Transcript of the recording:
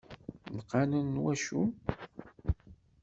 Lqanun n wacu?